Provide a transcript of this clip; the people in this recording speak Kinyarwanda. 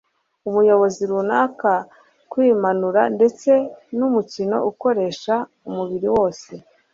umuyobozi runaka kwinanura ndetse n umukino ukoresha umubiri wose